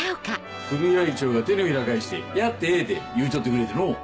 組合長が手のひら返してやってええって言うちょってくれての。